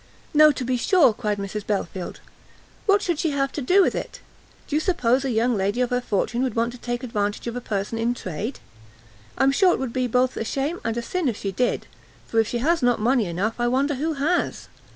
"No, to be sure," cried Mrs Belfield, "what should she have to do with it? Do you suppose a young lady of her fortune would want to take advantage of a person in trade? I am sure it would be both a shame and a sin if she did, for if she has not money enough, I wonder who has.